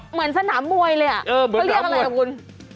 เหมือนสนามมวยเลยอ่ะเขาเรียกอะไรอ่ะคุณ